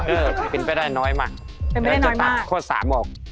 เออเป็นไปได้น้อยมากแล้วจะตัดข้อสามออก